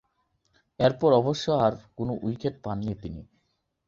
এরপর অবশ্য আর কোন উইকেট পাননি তিনি।